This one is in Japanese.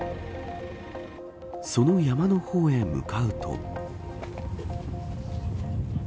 その山の方へ向かうと。